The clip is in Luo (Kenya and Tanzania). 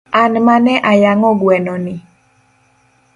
An mane ayang'o gweno ni